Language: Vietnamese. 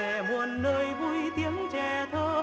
điền về muôn nơi vui tiếng trẻ thơ